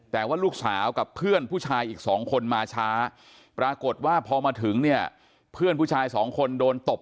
แต่ว่าลูกสาวกับเพื่อนผู้ชายอีกสองคนมาช้าปรากฏว่าพอมาถึงเนี่ยเพื่อนผู้ชายสองคนโดนตบ